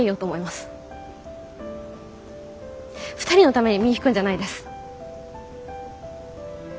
２人のために身引くんじゃないんです。